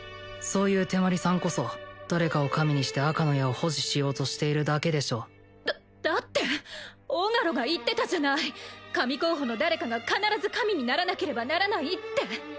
そういう手毬さんこそ誰かを神にして赤の矢を保持しようとしているだけでしょだだってオガロが言ってたじゃない神候補の誰かが必ず神にならなければならないって